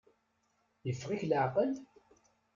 Yeffeɣ-ik leεqel?